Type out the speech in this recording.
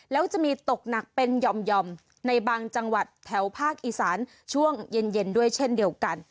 แล้วจะมีตกหนักเป็นหย่อมในบางจังหวัดแถวภาคอีสานช่วงเย็นด้วยเช่นเดียวกัน